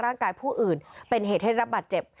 ร่างกายผู้อื่นเป็นเหตุให้รับบัตรเจ็บ